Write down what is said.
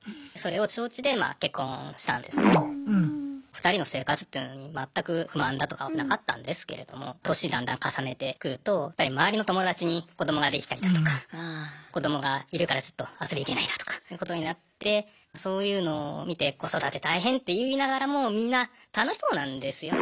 ２人の生活っていうのに全く不満だとかはなかったんですけれども年だんだん重ねてくるとやっぱり周りの友達に子どもができたりだとか子どもがいるから遊び行けないだとかということになってそういうのを見て子育て大変って言いながらもみんな楽しそうなんですよね